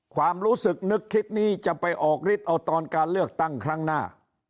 ความรู้สึกนึกคลิปนี้จะไปออกฤทธิ์เอาตอนการเลือกตั้งครั้งหน้า